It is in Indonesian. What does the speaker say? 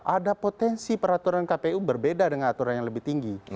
ada potensi peraturan kpu berbeda dengan aturan yang lebih tinggi